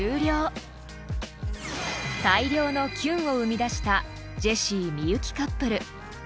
［大量のキュンを生み出したジェシー幸カップル］